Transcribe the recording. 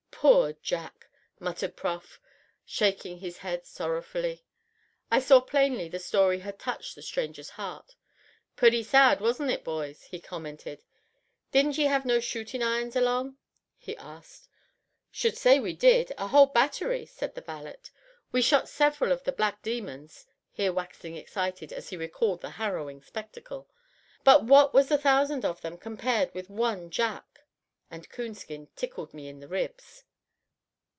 "Poor Jack," muttered Prof., shaking his head sorrowfully. I saw plainly the story had touched the stranger's heart. "Purty sad, wasn't it boys?" he commented. "Didn't ye have no shootin' irons along?" he asked. "Should say we did a whole battery," said the valet. "We shot several of the black demons (here waxing excited as he recalled the harrowing spectacle), but what was a thousand of them compared with one Jack!" And Coonskin tickled me in the ribs.